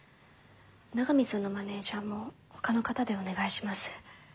長見さんのマネージャーもほかの方でお願いします。